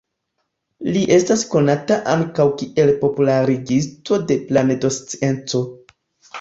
Li estas konata ankaŭ kiel popularigisto de planedoscienco.